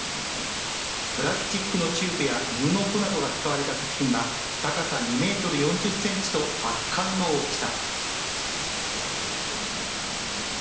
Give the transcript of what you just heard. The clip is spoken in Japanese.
プラスチックのチューブや布の帆などが使われた作品は高さ２メートル４０センチと圧巻の大きさ。